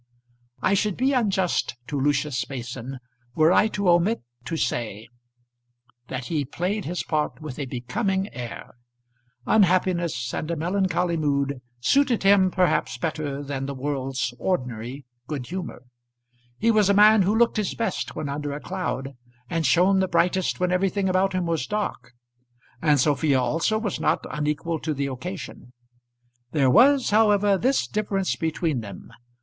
I should be unjust to Lucius Mason were I to omit to say that he played his part with a becoming air. Unhappiness and a melancholy mood suited him perhaps better than the world's ordinary good humour. He was a man who looked his best when under a cloud, and shone the brightest when everything about him was dark. And Sophia also was not unequal to the occasion. There was, however, this difference between them.